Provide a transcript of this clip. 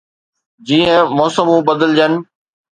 جيئن موسمون بدلجن